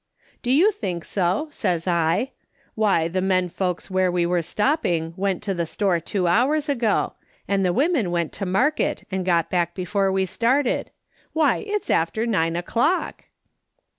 "' Do you think so ?' says I. ' Why, the men folks where we are stopping went to the store two hours ago ; and the women went to market and got back before we started. Why, it's after nine o'clock